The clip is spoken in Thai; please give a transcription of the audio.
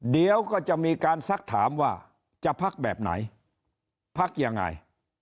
เดี๋ยวก็จะมีการซักถามว่าจะพักแบบไหนพักยังไง